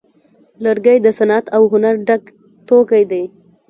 لرګی د صنعت او هنر ګډ توکی دی.